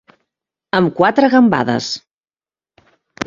Amb quatre gambades.